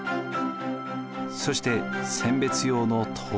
そして選別用の唐箕。